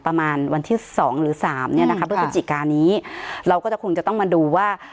ประมาณวันที่สองหรือสามเนี้ยนะคะพฤศจิกานี้เราก็จะคงจะต้องมาดูว่า